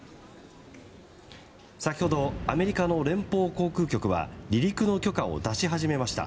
先ほどアメリカの連邦航空局は離陸の許可を出し始めました。